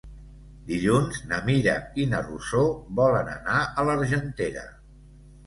Dilluns na Mira i na Rosó volen anar a l'Argentera.